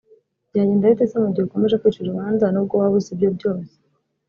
Byagenda bite se mu gihe ukomeje kwicira urubanza n’ubwo waba uzi ibyo byose